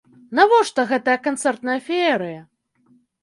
Навошта гэтая канцэртная феерыя?